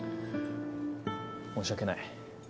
申し訳ない。